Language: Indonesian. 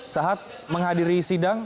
saat menghadiri sidang